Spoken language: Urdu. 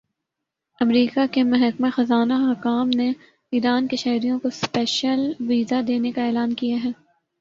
امریکا کے محکمہ خزانہ حکام نے ایران کے شہریوں کو سپیشل ویزا دینے کا اعلان کیا ہے